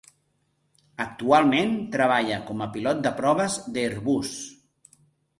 Actualment treballa com a pilot de proves d'Airbus.